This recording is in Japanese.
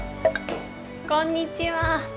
こんにちは。